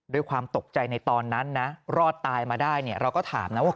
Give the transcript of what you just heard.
ด้วยความตกใจในตอนนั้นรอดตายมาได้เราก็ถามว่า